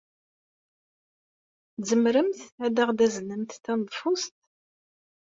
Tzemremt ad aɣ-d-taznemt taneḍfust?